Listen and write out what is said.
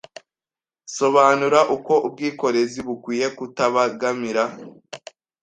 Sobanura uko ubwikorezi bukwiye kutabangamira